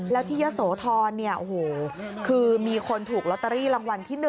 แล้วที่ยะโสธรคือมีคนถูกลอตเตอรี่รางวัลที่๑